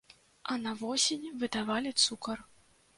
А на восень выдавалі цукар.